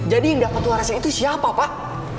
jadi yang dapat warisan itu siapa pak